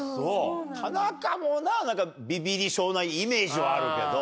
田中もな何かビビリ症なイメージはあるけど。